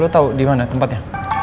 lo tau dimana tempatnya